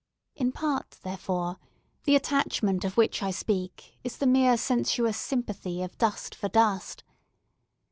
In part, therefore, the attachment which I speak of is the mere sensuous sympathy of dust for dust.